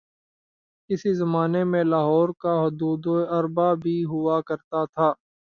کسی زمانے میں لاہور کا حدوداربعہ بھی ہوا کرتا تھا